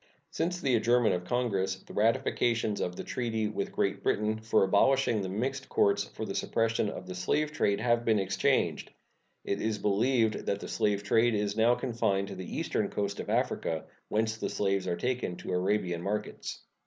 Since the adjournment of Congress the ratifications of the treaty with Great Britain for abolishing the mixed courts for the suppression of the slave trade have been exchanged. It is believed that the slave trade is now confined to the eastern coast of Africa, whence the slaves are taken to Arabian markets.